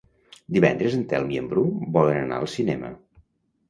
Divendres en Telm i en Bru volen anar al cinema.